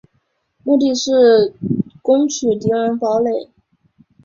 目的是攻取敌人堡垒。